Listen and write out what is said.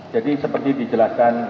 jadi seperti dijelaskan